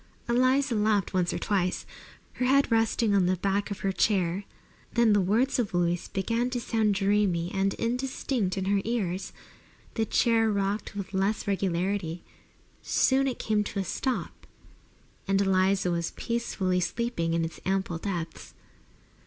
Eliza laughed once or twice, her head resting upon the back of her chair. Then the words of Louise began to sound dreamy and indistinct in her ears. The chair rocked with less regularity; soon it came to a stop, and Eliza was peacefully sleeping in its ample depths.